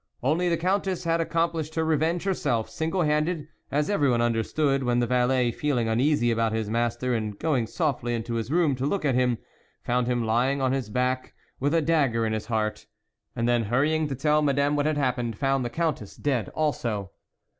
Only the Countess had accomplished her revenge herself, single handed, as every THE WOLF LEADER 97 one understood, when the valet feeling uneasy about his master, and going softly into his room to look at him, found him lying on his back with a dagger in his heart ; and then hurrying to tell Madame what had happened, found the Countess dead also.